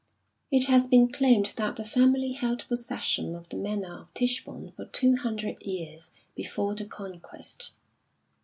It has been claimed that the family held possession of the Manor of Tichborne for two hundred years before the Conquest.